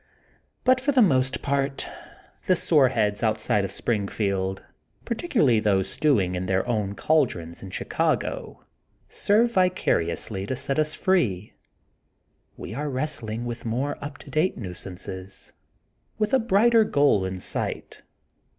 But, for the most part, the soreheads out side of Springfield, particularly those stewing in their own caldrons in Chicago, serve vi cariously to set us free. We are wrestling with more up to date nuisances, with a brighter goal in sight.